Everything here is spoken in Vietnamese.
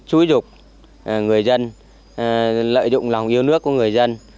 xúi dục người dân lợi dụng lòng yêu nước của người dân